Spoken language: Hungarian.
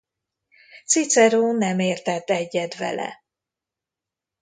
Cicero nem értett egyet vele.